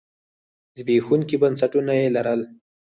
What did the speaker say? زبېښونکي بنسټونه یې لرل.